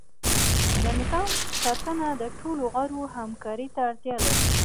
د نظام ساتنه د ټولو غړو همکاری ته اړتیا لري.